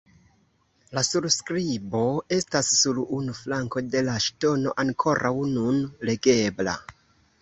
La surskribo estas sur unu flanko de la ŝtono ankoraŭ nun legebla.